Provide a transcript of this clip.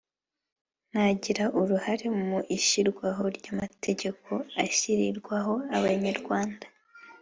nagira uruhare mu ishyirwaho ry’amategeko ashyirirwaho Abanyarwanda